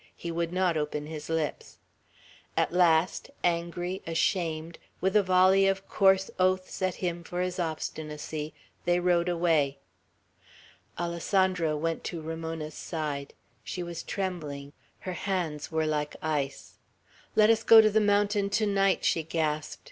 He would not open his lips. At last, angry, ashamed, with a volley of coarse oaths at him for his obstinacy, they rode away. Alessandro went to Ramona's side. She was trembling. Her hands were like ice. "Let us go to the mountain to night!" she gasped.